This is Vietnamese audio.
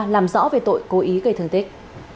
làm rõ về tội cố ý gây thương tích